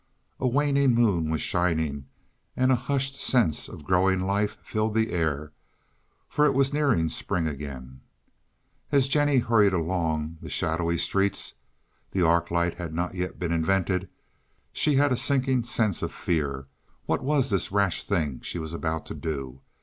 A waning moon was shining, and a hushed sense of growing life filled the air, for it was nearing spring again. As Jennie hurried along the shadowy streets—the arc light had not yet been invented—she had a sinking sense of fear; what was this rash thing she was about to do?